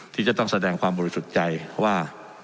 ที่จะต้องแสดงความบริสุทธิ์ใจว่า